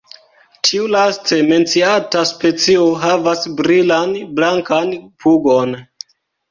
Tiu laste menciata specio havas brilan blankan pugon.